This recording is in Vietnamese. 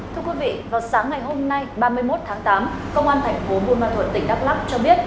thưa quý vị vào sáng ngày hôm nay ba mươi một tháng tám công an thành phố buôn ma thuật tỉnh đắk lắc cho biết